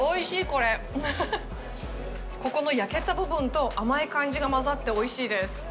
ここの焼けた部分と甘い感じが混ざっておいしいです。